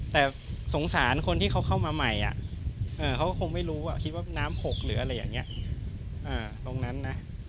แต่สงสารคนที่เขาเข้ามาใหม่เขาก็คงไม่รู้คิดว่าน้ำหกหรืออะไรอย่างนี้ตรงนั้นนะ